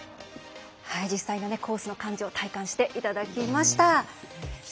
実際にコースの感じを体感していただきました。